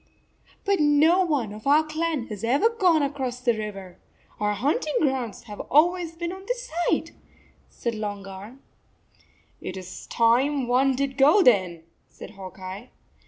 " But no one of our clan has ever gone across the river. Our hunting grounds have always been on this side," said Long Arm. "It s time some one did go, then," said Hawk Eye.